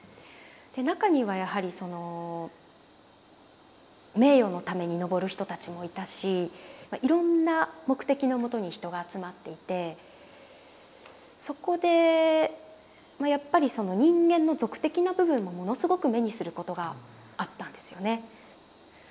中にはやはりその名誉のために登る人たちもいたしいろんな目的のもとに人が集まっていてそこでやっぱりその人間の俗的な部分もものすごく目にすることがあったんですよね。